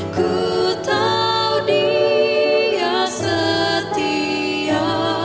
ku tahu dia setia